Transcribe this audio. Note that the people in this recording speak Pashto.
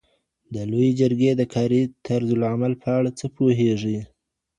د لویې جرګي د کاري طرزالعمل په اړه څه پوهیږئ؟